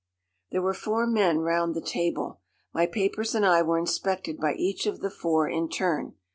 "There were four men round the table. My papers and I were inspected by each of the four in turn.